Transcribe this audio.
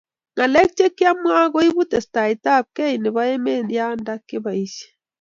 Ngalek che kiamua ko ibu testaitab kei eng' emet ye nda kibaishe